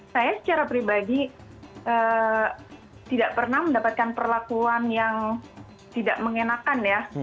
saya secara pribadi tidak pernah mendapatkan perlakuan yang tidak mengenakan ya